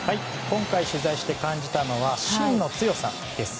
今回、取材して感じたのは芯の強さです。